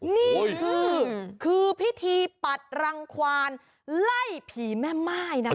นี่คือคือพิธีปัดรังควานไล่ผีแม่ม่ายนะคะ